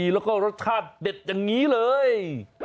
แล้วก็รสชาติเด็ดอย่างนี้เลย